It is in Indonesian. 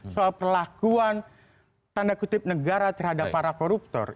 soal perlakuan tanda kutip negara terhadap para koruptor